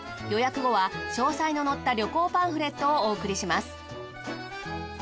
予約後は詳細の載った旅行パンフレットをお送りします。